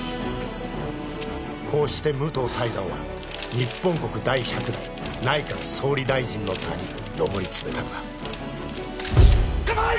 こうして武藤泰山は日本国第１００代内閣総理大臣の座に上り詰めたのだ